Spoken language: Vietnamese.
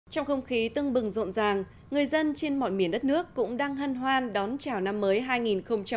trong không khí tưng bừng rộn ràng người dân trên mọi miền đất nước cũng đang hân hoan đón chào năm mới hai nghìn hai mươi